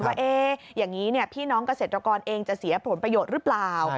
ว่าอย่างนี้พี่น้องเกษตรกรเองจะเสียผลประโยชน์หรือเปล่า